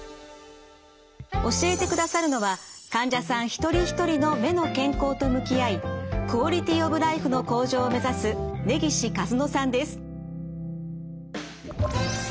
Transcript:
教えてくださるのは患者さん一人一人の目の健康と向き合いクオリティオブライフの向上を目指す根岸一乃さんです。